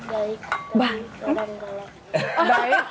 baik kadang galak